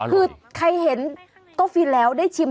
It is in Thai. คือใครเห็นก็ฟินแล้วได้ชิม